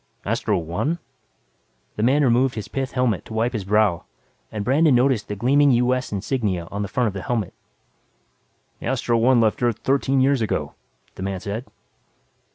"Astro One?" The man removed his pith helmet to wipe his brow and Brandon noticed the gleaming US insignia on the front of the helmet. "The Astro One left Earth thirteen years ago," the man said.